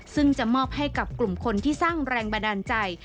ซึ่งจะมอบให้กับกลุ่มคนที่สร้างแรงบันดาลใจ